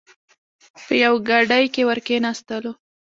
په یوې ګاډۍ کې ور کېناستلو.